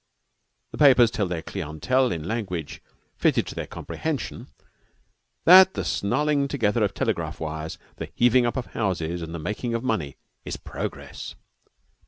The papers tell their clientele in language fitted to their comprehension that the snarling together of telegraph wires, the heaving up of houses, and the making of money is progress.